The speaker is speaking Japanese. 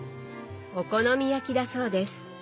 お好み焼きだそうです。